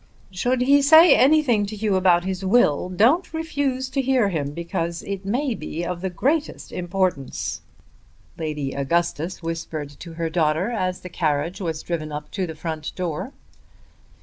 "Should he say anything to you about his will don't refuse to hear him, because it may be of the greatest importance," Lady Augustus whispered to her daughter as the carriage was driven up to the front door.